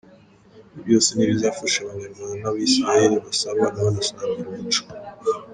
Ibyo byose ni ibizafasha Abanyarwandsa n’Abanya-Isiraheli basabana banasangira umuco.